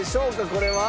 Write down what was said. これは。